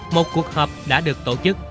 một cuộc họp đã được tổ chức